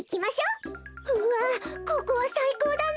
うわここはさいこうだな。